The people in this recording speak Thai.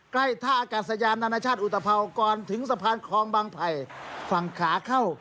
ใกล้ท่าอากาศยานานาชาติอุตภาวก่อนถึงสะพานคลองบางไผ่ฝั่งขาเข้า